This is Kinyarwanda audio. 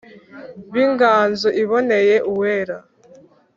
B’inganzo iboneye Uwera